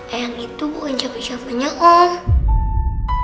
ayah itu bukan siapa siapanya om